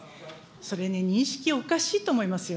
それに認識おかしいと思いますよ。